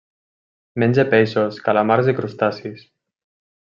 Menja peixos, calamars i crustacis.